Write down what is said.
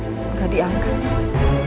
nggak diangkat mas